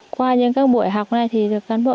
qua những các buổi học này thì được cán bộ